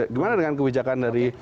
gimana dengan kebijakan dari